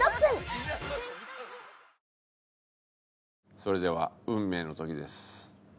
それでは運命の時です。